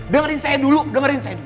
dengerin saya dulu dengerin saya dulu